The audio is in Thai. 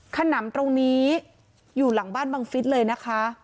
ขนำตรงนี้อยู่หลังบ้านบังฟิศเลยนะคะ